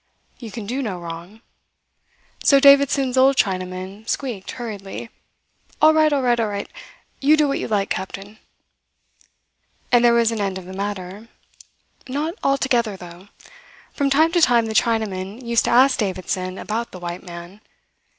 You can do no wrong. So Davidson's old Chinaman squeaked hurriedly: "All right, all right, all right. You do what you like, captain " And there was an end of the matter; not altogether, though. From time to time the Chinaman used to ask Davidson about the white man.